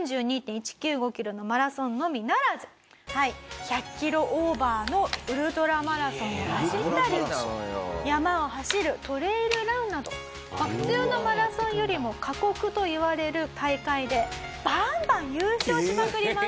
キロのマラソンのみならず１００キロオーバーのウルトラマラソンを走ったり山を走るトレイルランなど普通のマラソンよりも過酷といわれる大会でバンバン優勝しまくります。